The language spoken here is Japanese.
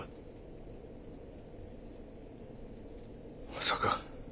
まさか。